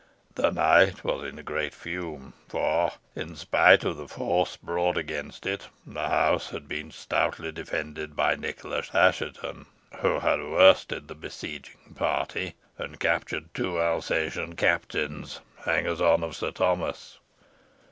The knight was in a great fume; for, in spite of the force brought against it, the house had been stoutly defended by Nicholas Assheton, who had worsted the besieging party, and captured two Alsatian captains, hangers on of Sir Thomas.